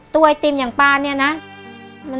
ไอติมอย่างปลาเนี่ยนะ